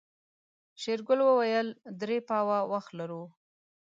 شېرګل وويل درې پاوه وخت لرو.